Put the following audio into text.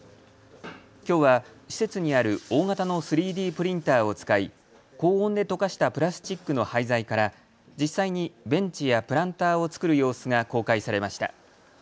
きょうは施設にある大型の３Ｄプリンターを使い高温で溶かしたプラスチックの廃材から実際にベンチやプランターを作る様子が公開されました。